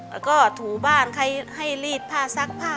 และก็ถูบ้านให้ลีดพ่าสร้างพ่า